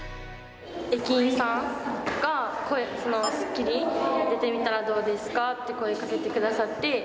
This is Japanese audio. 駅員さんが、スッキリに出てみたらどうですかって声かけてくださって。